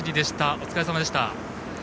お疲れさまでした。